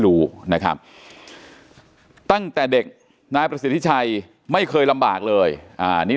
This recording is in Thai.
ดูนะครับตั้งแต่เด็กนายประสิทธิชัยไม่เคยลำบากเลยนี่